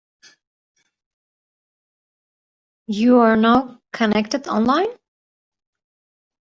You are now connected online.